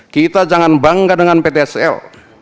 kita jangan bangga dengan ptsl